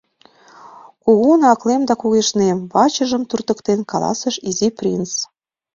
— Кугун аклем да кугешнем, — вачыжым туртыктен, каласыш Изи принц.